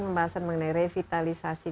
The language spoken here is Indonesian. pembahasan mengenai revitalisasi